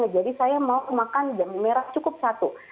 jadi saya mau makan jambu merah cukup satu